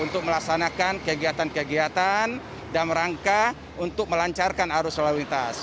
untuk melaksanakan kegiatan kegiatan dalam rangka untuk melancarkan arus lalu lintas